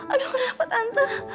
aduh kenapa tante